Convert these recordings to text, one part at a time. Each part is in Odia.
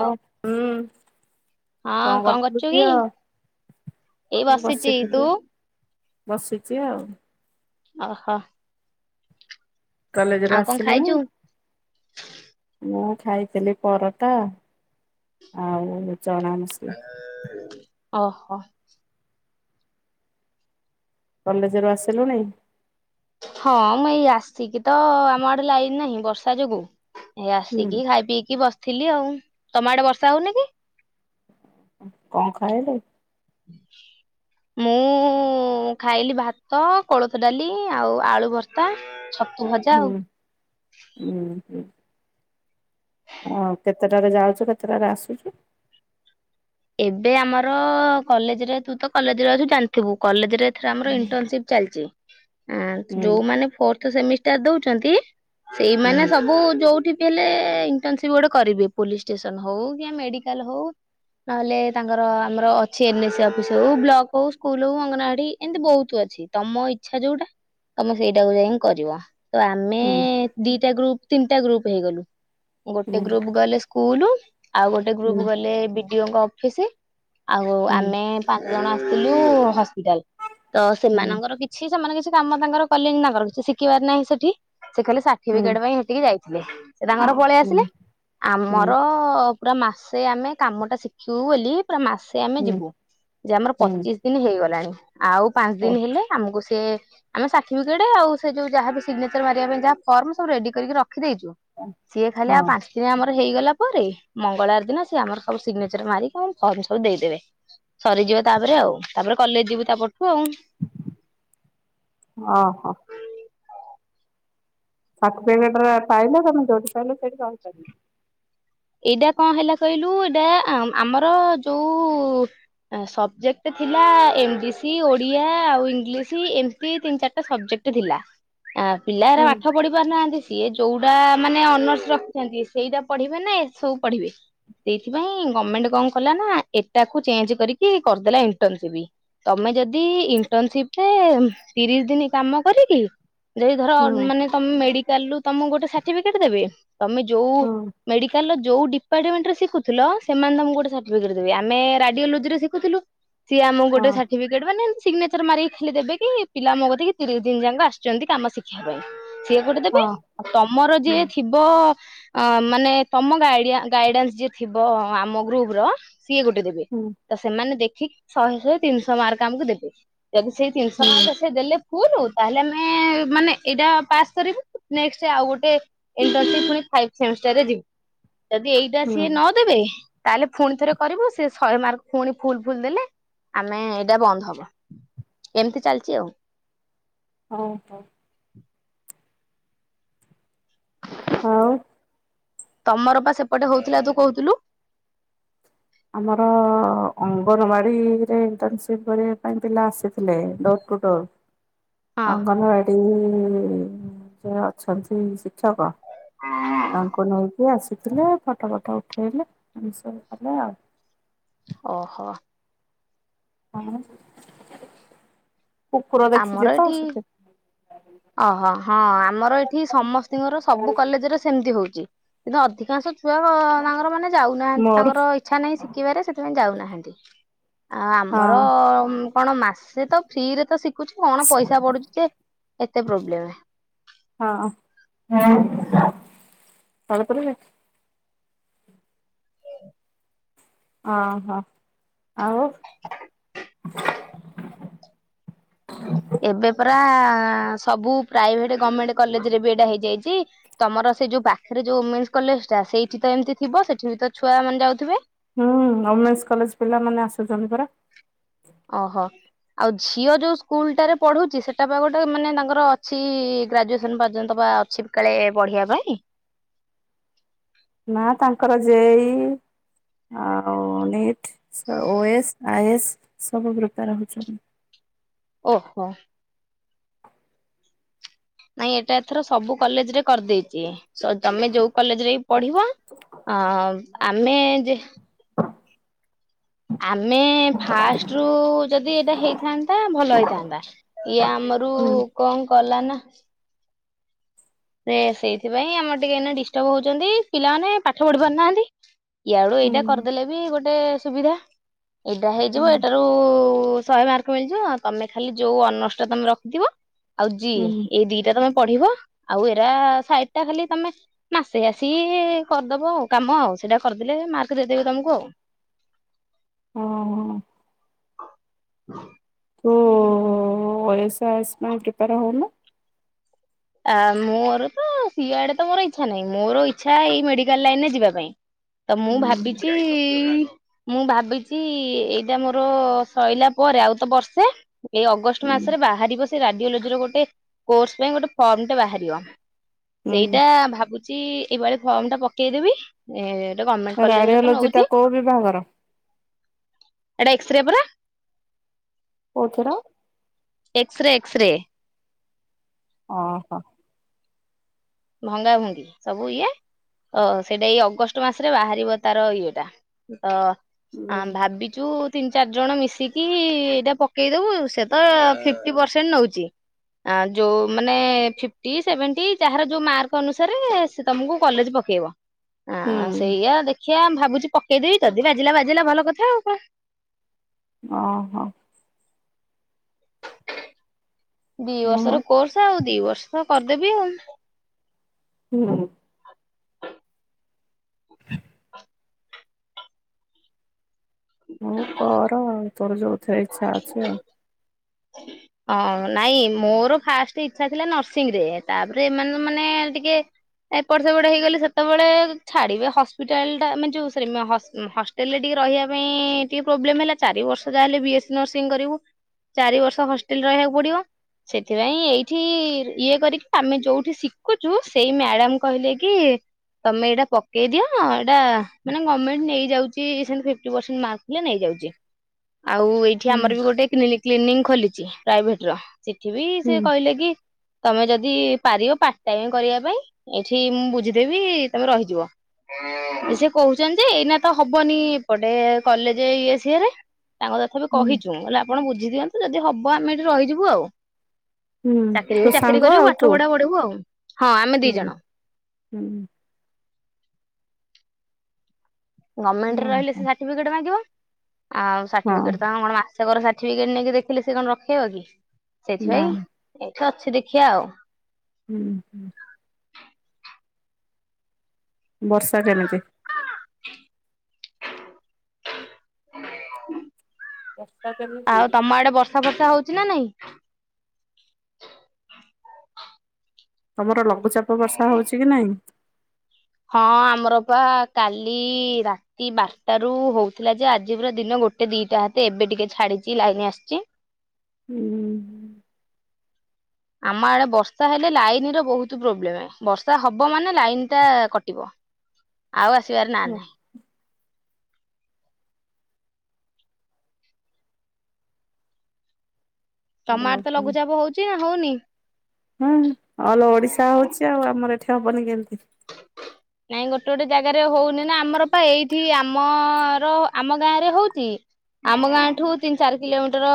ହଁ, ହଁ କଣ କରୁଥିଲୁ କରୁଛୁ କି? ଝିଅ? ଏଇ ବସିଛି, ବସିଥିଲି ତୁ? ବସିଛି ଆଉ ଓ ହ କଲେଜରୁ ଆସିଳୁଣି? ଖାଇଛୁ? ଖାଇଥିଲି ପରଟା ଆଉ ଚଣା ମସଲା। ଓ ହ କଲେଜରୁୁ ଆସିଲୁଣି? ହଁ, ମୁଁ ଏଇ ଆସିକି ତ, ଆମ ଆଡେ ଲାଇନ ନାହିଁ ବର୍ଷା ଯୋଗୁ ଏଇ ହୁଁ ଆସିକି, ଖାଇ ପିଇକି ବସିଥିଲି ଆଉ, ତମ ଆଡେ ବର୍ଷା ହଉନି କି? କଣ ଖାଇଲୁ? ମୁଁ ଖାଇଲି ଭାତ, କୋଳଥ ଡାଲି ଆଉ ଆଳୁ ଭର୍ତା, ଛତୁ ଭଜା ହୁଁ ଆଉ ହୁଁ ହୁଁ। ଆ କେତେଟାରେ ଯାଉଚୁ, କେତେଟାରେ ଆସୁଛୁ? ଏବେ ଆମର କଲେଜରେ ତୁ ତ କଲେଜରେ ଅଛୁ ଜାଣିଥିବୁ କଲେଜରେ ଆ ହୁଁ ଇଣ୍ଟରସିପ୍ ଚାଲିଛି। ହଁ ହୁଁ ଯୋଉମାନେ ଫୋର୍ଥ ସେମିଷ୍ଟାର ଦଉଛନ୍ତି ସେଇମାନେ ହୁଁ ସବୁ ଯୋଉଠି ହେଲେ ଇଣ୍ଟରସିପ୍ ଗୋଟେ କରିବେ ପୋଲିସ୍ ଷ୍ଟେସନ ହଉ କି ମେଡିକାଲ ହଉ ନହେଲେ ତାଙ୍କର ଆମର ଅଛି ଏନ୍ଏସ୍ ଅଫିସ ହଉ ବ୍ଲକ ହଉ ସ୍କୁଲ ହଉ ଅଙ୍ଗନବାଡି ଏମିତି ବହୁତ ଅଛି। ତମ ଇଚ୍ଛା ଯୋଉଟା ତମେ ସେଇଟାକୁ ଯାଇ କରିବ। ତ ଆମେ ହୁଁ ଦିଟା ଗ୍ରୁପ୍ ତିନିଟା ଗ୍ରୁପ୍ ହେଇଗଲୁ ହୁଁ ଗୋଟେ ଗ୍ରୁପ୍ ଗଲେ ସ୍କୁଲ୍ ଆଉ ଗୋଟେ ହୁଁ ଗ୍ରୁପ୍ ଗଲେ ବିଡିଓ ଙ୍କ ଅଫିସ୍ ଆଉ ହୁଁ ଆମେ ଜଣ ଆସିଥିଲୁ ହସ୍ପିଟାଲ୍ ତ ହୁଁ ସେମାନଙ୍କର କିଛି ସେମାନେ କିଛି କାମ ତାଙ୍କର କଲେନି। ତାଙ୍କର କିଛି ଶିଖିବାର ନାହିଁ ସେଠି, ସେ ଖାଲି ହୁଁ ସାର୍ଟିଫିକେଟ ପାଇଁ ସେଠିକି ଯାଇ [inaudible] ସେ ତାଙ୍କର ପଳେଇ ଆସିଲେ, ହୁଁ ଆମର ପୁରା ମାସେ ଆମେ କାମଟା ଶିଖିବୁ ବୋଲି ପୁରା ମାସେ ଆମେ ହୁଁ ଯିବୁ। ଯେ ଆମର ହୁଁ ପଚିଶ ଦିନ ହେଇଗଲାଣି। ଆଉ ପାଞ୍ଚ ଓ ଦିନ ହେଲେ ଆମକୁ ସେ ଆମ ସାଟିପିକେଟ ଆଉ ସେ ଯୋଉ ଯାହା ବିି ସିଗନେଚର ମାରିବା ପାଇଁ ଯାହା ଫର୍ମ ସବୁ ରେଡି କରିକି ରଖ ରଖିଦେଇଛୁ। ସିଏ ଖାଲି ଆଉ ହଁ ପାଞ୍ଚ ଦିନ ଆମର ହେଇଗଲା ପରେ ମଙ୍ଗଳବାର ଦିନ ସିଏ ଆମର ସବୁ ସିଗ୍ନେଚର ମାରିକି ଆମ ଫର୍ମ ସବୁ ଦେଇଦେବେ। ସରିଯିବ ତାପରେ ଆଉ ତାପରେ କଲେଜ ଯିବୁ ତାପରଠୁ ଆଉ। [inaudible] ଓ ହୋ। ସାର୍ଟିଫିକେଟ ରେ ପାଇଲେ ତମେ ଯୋଉଠି ପାଇଲେ ସେଇଠି ରହି ପାରି ଏଇଟା କଣ ହେଲା କହିଲୁ, ଏଇଟା ଆ ଆମର ଯୋଉ ସବଜେକ୍ଟ ଥିଲା, ଏମ ବି ସି, ଓଡିଆ ଆଉ ଇଂଲିଶ ଏମତି ତିନି ଚାରିଟା ସବଜେକ୍ଟ କ୍ଟ ଥିଲା। ପିଲାଅରା ହୁଁ ପାଠ ପଢି ପାରୁନାହାନ୍ତି। ସିଏ ଯୋଉଟା ମାନେ ଅନର୍ସ ରଖିଛନ୍ତି ସେଇଟା ପଢିବେ ନା ଏ ସବୁ ପଢିବେ। ସେଇଥିପାଇଁ ଗମେଣ୍ଟ କଣ କଲା ନା, ଏଟାକୁ ଚେଞ୍ଜ କରିକି କରିଦେଲା ଇଣ୍ଟର୍ନସିପ। ତମେ ଯଦି ଇଣ୍ଟନସିପ ରେ ତିରିଶ ଦିନ କାମ କରିକି ଯଦି ଧର ହୁଁ ମାନେ ତମେ ମେଡିକାଲୁ ରୁ ତମକୁ ଗୋଟେ ସାର୍ଟିଫିକେଟ ଦେବେ। ତମେ ଯୋଉ ହୁଁ। ମେଡିକାଲ ର ଯୋଉ ଡିପାର୍ଟମେଣ୍ଟ ରେ ଶିଖୁଥିଲ, ସେମାନେ ତମକୁ ଗୋଟେ ସାର୍ଟିଫଟ ଦେବେ। ଆମେ ରାଡିଓଲୋଜି ରେ ଶିଖୁଥିଲୁ ସିଏ ଆମକୁ ଗୋଟ ହଁ ସର୍ଟିଫିକେଟ ମାନେ ସିଗ୍ନେଚର ମାରିକି ଖାଲି ଦେବେ କି, ପିଲା ମୋ କତିକି ତିରିଶ ଦିନ ଯାକ ଆସିଛନ୍ତି କାମ ଶିଖିବା ପାଇଁ। ସିଏ ଗୋଟେ ଦେବେ। ହଁ ତମର ହୁଁ ଯିଏ ଥିବ ଅ ମାନେ ତମ ଗାଇଡା ଗାଇଡାନ୍ସ ଯିଏ ଥିବ ଆମ ଗ୍ରୁପ ର ସିଏ ଗୋଟେ ଦେବେ। ହୁଁ ତ ସେମାନେ ଦେଖ ଠିକ ଶହେ ତିନିଶହ ମାର୍କ ଆମକୁ ଦେବେ। ଯଦି ସେଇ ତିନିଶହ ହୁଁ ମାର୍କ ସେ ଦେଲେ ଫୁଲୁ ତାହେଲେ ଆମେ ମାନେ ଏଇଟା ପାସ୍ କରିବୁ। ନେଷ୍ଟ ଆଉ ଗୋଟେ ଇଣ୍ଟନସିପ୍ ପୁଣି ଫାଇଭ୍ ସେମିଷ୍ଟର ରେ ଯିବି ଯଦି ଏଇଟା ହୁଁ ସିଏ ନଦେବେ। ତାହେଲେ ପୁଣି ଥରେ କରିବୁ ସେ ଶହେ ମାର୍କ ପୁଣି ଫୁଲ୍ ଫୁଲ୍ ଦେଲେ ଆମେ ଏଇଟା ବନ୍ଦ ହବ, ଏମିତି ଚାଲିଚି ଆଉ। ଓ ହୋ। ଆଉ ତମର ପା ସେପଟେ ହଉଥିଲା ତୁ କହୁଥୁଲୁ। ଆମର ଅଙ୍ଗନବାଡି ରେ ଇଣ୍ଟନ୍ସିପ୍ କରିବା ପାଇଁ ପିଲା ଆସିଥିଲେ। ଟୁଟ ହଁ ଅଙ୍ଗନ ବାଡି ଯେ ଅଛନ୍ତି ସି କ୍ଷକ ତାଙ୍କୁ ନେଇକି ଆସି ଥିଲେ ଫଟୋ ଫଟ ଉଠେଇଲେ ଏମିତି ସବୁ କଲେ ଆଉ। ଓହୋ। କୁକୁର ଦେଖିଲି ଆମର ତ ଏଠି ସେଥି ଓହୋ ହଁ, ଆମର ଏଠି ସମସ୍ତଙ୍କର ସବୁ କଲେଜରେ ସେମିତି ହଉଚି। କିନ୍ତୁ ଅଧିକାଂଶ ଛୁଆ ତାଙ୍କର ମାନେ ଯାଉନାହାନ୍ତି। ମୋର ତାଙ୍କର ଇଚ୍ଛା ନାହିଁ ଶିଖିବାରେ ସେଥିପାଇଁ ଯାଉନାହାନ୍ତି। ଆଉ ଆମର ହଁ କଣ ମାସେ ତ ଫ୍ରିରେ ତ ଶିଖୁଛି। କଣ ପଇସା ପଡୁଛି ଯେ ଏତେ ପ୍ରୋବ୍ଲେମ। ହଁ। [unintelligible] ଓହୋ ଆଉ। [inaudible] ଏବେ ପରା ସବୁ ପ୍ରାଇଭେଟ ଗମେଣ୍ଟ କଲେଜ ରେ ବି ଏଇଟା ହେଇଯାଇଛି। ତମର ସେ ଯୋଉ ପାଖରେ ଯୋଉ ଓମେନ୍ସ କଲେଜ ଟା, ସେଇଠି ତ ଏମିତି ଥିବ ସେଠି ବି ତ ଛୁଆ ମାନେ ଯାଉଥିବେ। ହୁଁ ଓମେନ୍ସ କଲେଜ ପିଲାମାନେ ଆସୁଛନ୍ତି ପରା। ଓହୋ। ଆଉ ଝିଅ ଯୋଉ ସ୍କୁଲଟାରେ ପଢୁଛି, ସେଟା ବା ଗୋଟେ ମାନେ ତାଙ୍କର ଅଛି ଗ୍ରାଜୁଏସନ ପର୍ଯ୍ୟନ୍ତ। ବା ଅଛି ବି କାଳେ ପଢିବା ପାଇଁ। [unintelligible] ଆଉ ନିଟ ଓସ୍ ଆଇଏସ୍ ସବୁ ପ୍ରିପାର ହଉଛନ୍ତି। ଓହୋ। ନାଇଁ ଏଇଟା ଏଥର ସବୁ କଲେଜରେ କରିଦେଇଛି। ତମେ ଯୋଉ କଲେଜରେ ବି ପଢିବ ଆମେ ଆମେ ଫାଷ୍ଟ ରୁ ଯଦି ଏଇଟା ହେଇଥାନ୍ତା ଭଲ ହେଇଥାନ୍ତା। ଇଏ ଆମର ହୁଁ କଣ କଲା ନା ସେ ସେଇଥିପାଇଁ ଆମର ଟିକେ ଏ ଡିଷ୍ଟର୍ବ ହଉଛନ୍ତି ପିଲାମାନେେ ପାଠପଢି ପାରୁନାହାନ୍ତି। ୟାଡୁ ଏଇଟା ହୁଁ କରିଦେଲେ ବି ଗୋଟେ ସୁବିଧା ଏଇଟା ହୁଁ ହେଇଯିବ। ଏଇଟାରୁ ଶହେ ମାର୍କ ମିଳିଯିବ ତମେ ଖାଲି ଯୋଉ ଅନର୍ସଟା ତମେ ରଖିଥିବ ଆଉ ଜି ହୁଁ ଏଇ ଦିଟା ତମେ ପଢିବ। ଆଉ ଏରା ସାଇଡଟା ଖାଲି ତମେ ମାସେ ଆସି କରିଦବ ଆଉ କାମ ଆଉ ସେଇଟା କରିଦେଲେ। ମାର୍କ ଦେଇଦେବେ ତମକୁ ଆଉ। ହଁ। ହ ତ ଓଏସ୍ ଆଏସ୍ ପାଇଁ ପ୍ରିପେର ହଉ ନ? ଆ ମୋର ତ ସିଆଡେ ତ ମୋର ଇଛା ନାହିଁ ମୋର ଇ୍ଛା ଏଇ ମେଡିକାଲ ଲାଇନରେ ଯିବା ପାଇଁ। ତ ମୁଁ ହୁଁ ଭାବିଛି, ମୁଁ ଭାବିଛି ଏଇଟା ମୋର ସଇଲା ପରେ ଆଉ ତ ବର୍ଷେ ଏଇ ଅଗଷ୍ଟ ହୁଁ ମାସରେ ବାହାରିବ ସେ ରାଡିଓଲୋଜି ର ଗୋଟେ କୋର୍ସ ପାଇଁ ଗୋଟେ ଫର୍ମଟେ ବାହାରିବ। ହୁଁ ସେଇଟା ଭାବୁଛି ଏଇଭଳି ଫର୍ମଟା ପକେଇଦେବି ଏ ଗମେଣ୍ଟ କଲେଜରେ ତ ରାଡିଓଲୋଜି ଟା ନଉଛି। କୋଉ ବିଭାଗର? ଏଟା ଏକ୍ସରେ ପରା [unintelligible] ଏକ୍ସରେ ଏକ୍ସରେ। ଅହୋ। ଭଙ୍ଗାଭଙ୍ଗି ସବୁ ଇଏ। ଓ ସେଇଟା ଏଇ ଅଗଷ୍ଟ ମାସରେ ବାହାରିବ ତାର ଇଏଟା ତ ହୁଁ ହଁ ଭାବିଛୁ। ତିନି ଚାରି ଜଣ ମିଶିକି ଏଇଟା ପକେଇଦବୁ ସେ ତ ଫିଫ୍ଟି ପରସେଣ୍ଟ ନଉଛି। ଆ ଯୋଉମାନେ ଫିଫ୍ଟି ସେଭେଣ୍ଟି ଯାହାର ଯୋଉ ମାର୍କ ଅନୁସାରେ ସେ ତମକୁ କଲେଜ ପକେଇବ ହୁଁ ସେଇୟା ଆଖିଆ ଭାବୁଛି ପକେଇଦେବି ଯଦି ବାଜିଲା ବାଜିଲା ଭଲ କଥା ଆଉ କଣ? ଅହୋ। ଦି ହଉ ବର୍ଷର କୋର୍ସ ଆଉ ଦିବର୍ଷ ତ କରିଦେବି ଆଉ। ହୁଁ। କର ତୋର ଯୋଉଥିରେ ଇଚ୍ଛା ଅଛି ଆଉ। ହଁ ନାଇଁ ମୋର ଫାଷ୍ଟ ଇଚ୍ଛା ଥିଲା ନର୍ସିଂରେ ତାପରେ ଏମାନେ ମାନେ ଟିକେ ଏପଟ ସେପଟ ହେଇଗଲି ସେତେବେଳେ, ଛାଡିବେ ହସ୍ପିଟାଲ ଟା ମାନେ ଯୋଉ ହଷ୍ଟେଲ ରେ ଟିକେ ରହିବା ପାଇଁ ଟିକେ ପ୍ରୋବ୍ଲେମ୍ ହେଲା, ଚାରି ବର୍ଷ ଯାହା ହେଲେ ବି ନର୍ସିଂ କରିବୁ, ଚାରି ବର୍ଷ [unintelligible] ରହିବାକୁ ପଡିବ। ସେଥିପାଇଁ ଏଇଠି ଇଏ କରିକି, ଆମେ ଯୋଉଠି ଶିଖୁଛୁ, ସେଇ ମ୍ୟାଡାମ କହିଲେ କି ତମେ ଏଇଟା ପକେଇ ଦିଅ, ଏଇଟା ମାନେ ଗଭମେଣ୍ଟ ନେଇଯାଉଛି, ସେମିତି ଫିଫଟି ପରସେଣ୍ଟ ମାର୍କ ଥିଲେ ନେଇଯାଉଛି। [inaudible] ଆଉ ଏଇଠି ହୁଁ ଆମର ବି ଗୋଟେ କ୍ଲିନିକ ଖୋଲିଛି, ପ୍ରାଇଭେଟ ର ସେଠି ବି ହୁଁ ସେ କହିଲେ କି? ତମେ ଯଦି ପାରିବ ପାର୍ଟ ଟାଇମ କରିବା ପାଇଁ ଏଇଠି ମୁଁ ବୁଝିଦେବି ତମେ ରହିଯିବ। ସେ କହୁଛନ୍ତି ଯେ- ଏଇନା ତ ହବନି ଏପଟେ କଲେଜ ଇଏ ସିଅରେ। ତାଙ୍କୁ ତଥା ବି ହୁଁ। କହିଛୁ, ହେଲେ ଆପଣ ବୁଝି ଦିଅନ୍ତୁ ଯଦି ହବ ଆମେ ଏଠି ରହିଯିବୁ ଆଉ ହୁଁ ଚାକିରି ତୋ ବି ସାଙ୍ଗ ଚାକିରି କରିବୁ, ଆଉ ତୁ ପାଠ ପଢା ପଢିବୁ ଆଉ, ହଁ ଆମେ ଦି ହୁଁ ଜଣ। ହୁଁ। ଗମେଣ୍ଟରେ ହଁ ରହିଲେ ହଁ ସେ ସାର୍ଟିଫିକେଟ ମାଗିବ। ଆଉ ସାର୍ଟିଫିକେଟ କଣ ମାସକର ସାର୍ଟିଫିକେଟ ନେଇକି ଦେଖିଲେ ସେ କଣ ରଖିବା କି? ନା ସେଇଥିପାଇଁ ଏଠି ଅଛି ଦେଖିିବା ଆଉ ହୁଁ ହୁଁ। ବର୍ଷା କେମିତି? ବର୍ଷା କେମିତି? ହଁ ବର୍ଷା ହଉଛି ନା ନାଇଁ? ତମର ଲଘୁଚାପ ବର୍ଷା ହଉଛି କି ନାଇଁ।? ହଁ ଆମର ପା କାଲି ରାତି ବାରଟା ରୁ ହଉଥିଲା ଯେ- ଆଜି ପୁରା ଦିନ ଗୋ ଗୋଟେ ଦିଟା ହାତ ଏବେ ଟିକେ ଛାଡିଛି ଲାଇନ ଆସିଛି। ହୁଁ ହ। ଆମ ଆଡେ ବର୍ଷା ହେଲେ ଲାଇନ ର ବହୁତ ପ୍ରୋବ୍ଲେମ, ବର୍ଷା ହବ ମାନେ ଲାଇନ ଟା କଟିବ। ଆଉ ଆସିବାର ନା ନାହିଁ। ତମ ଆଡେ ଓହୋ ଲଘୁଚାପ ହଉଚି ନା ହଉନି? ହଁ ଅଲ ଓଡିଶା ହଉଛି ଆଉ ଆମର ଏଠି ହବନି କେମତି? ନାଇଁ ଗୋଟେ ଗୋଟେ ଜାଗାରେ ହଉନି ନା, ଆମର ପା ଏଇଠି ଆମର ଆମ ଗାଁ ରେ ହଉଛି। ଆମ ଗାଁ ଠୁ ତିନି ଚାରି କିଲୋମିଟର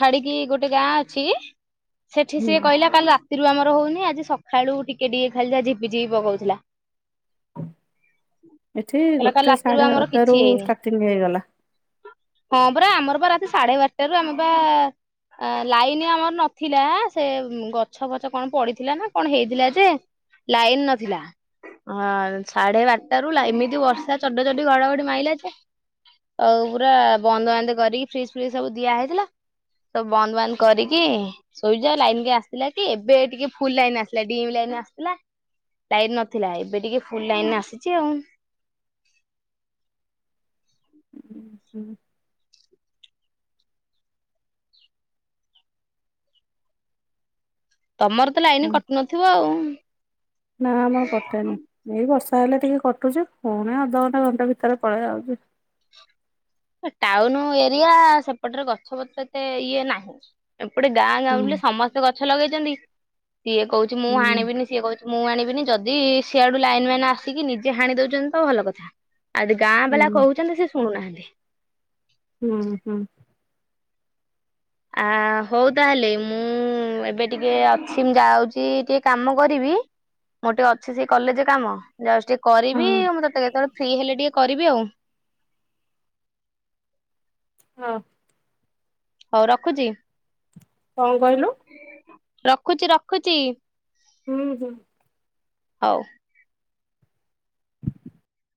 ଛାଡିକି ଗୋଟେ ଗାଁ ଅଛି। ସେଠି ହୁଁ ସିଏ କହିଲା କାଲି ରାତି ରାତିରୁ ଆମର ହଉନି ଆଜି ସକାଳୁ ଟିକେ ଟିକେ ଖାଲି ଯା ଝିପିଝପି ପକଉଥିଲା। ଏଠି ହେଲା କା ଗୋଟେ ରାତି ରୁ ସାଢେ ଆମର ଗୋଟେ ରୁ କିଛି ହେଇନି, ଷ୍ଟାର୍ଟିଂ ହେଇଗଲା। ହଁ ପରା ଆମର ରାତି ସାଢ଼େ ବାରଟାାରୁ ଆମେ ବା ଆ ଲାଇନ ଆମର ନଥିଲା ଆ, ସେ ଗଛ ଫଛ କଣ ପଡିଥିଲା ନା କଣ ହେଇଥିଲା ଯେ। ଲାଇନ ନଥିଲା। ହଁ ସାଢେ ବାରଟାରୁ ଏମିତି ବର୍ଷା ଚଡଚଡ଼ି ଘଡଘଡି ମାଇଲା ଯେ। ଆଉ ପୁରା ବନ୍ଦ ବାନ୍ଧ କରିକି ଫ୍ରିଜ ଫ୍ରିଜ ସବୁ ଦିଆ ହେଇଥିଲା। ସବୁ ବନ୍ଦ ବାନ୍ଦ କରିକି ଶୋଇଯ ଲାଇନ କାଇଁ ଆସିଲା କି ଏବେ ଟିକେ ଫୁଲ ଲାଇନ୍ ଆସିଲା ଡିମ୍ ଲାଇଟ୍ ଆସିଥିଲା ଲାଇନ ନଥିଲା ଏବେ। ଟିକେ ଫୁଲ ଲାଇନରେ ଆସିଛି ଆଉ। ହ। ତମର ତ ଲାଇନ ହୁଁ କଟି ନଥିବ ଆଉ। ନା ଆମର କଟେନି ଏଇ ବର୍ଷ। ତାହେଲେ ଟିକେ କଟୁଚ ପୁଣି ଅଧଘଣ୍ଟା ଘଣ୍ଟା ଭିତରେ ପଳେଇ ଆଉଛି। ଟାଉନ ଏରିଆ ସେପଟରେ ଗଛପତ୍ର ଏତେ ଇଏ ନାହିଁ। ଏପଟେ ଗାଁ ହୁଁ ଜ୍ଞାଉଁଲି ସମସ୍ତେ ଗଛ ଲଗେଇଛନ୍ତି ସିଏ କହୁଛି ମୁଁ ହୁଁ ହାଣିବିନି ସିଏ କହୁଛି ମୁଁ ଆଣିବିନି ଯଦି ସିଆଡୁ ଲାଇନ ମ୍ୟାନ ଆସିକି ନିଜେ ହାଣି ଦଉଛନ୍ତି ତ ଭଲ କଥା। ଆଉଦି ଗାଁ ହୁଁ ବାଲା କହୁଛନ୍ତି ସେ ଶୁଣୁନାହାନ୍ତି। ହୁଁ ହୁଁ। ଆ ହଉ ତାହାଲେ ମୁଁ ମୁଁ ଏବେ ଟିକେ ଅଛି ମୁଁ ଯାଉଛି ଟିକେ କାମ କରିବି। ମୋର ଟିକେ ଅଛି ସେଇ କଲେଜ କାମ ଯାଉଚି ଟିକେ ହଁ। କରିବି ମୁଁ ତତେ କେତେବେଳେ। ଫ୍ରୀ ହେଲେ ଟିକେ କରିବି ଆଉ। ହଁ। ହଉ ରଖୁଚି। କଣ କହିଲୁ? ରଖୁଚି ରଖୁଚି। ହୁଁ ହୁଁ। ହଉ